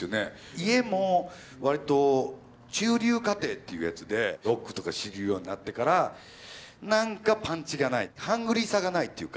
家も割と中流家庭っていうやつでロックとか知るようになってからなんかパンチがないハングリーさがないっていうか。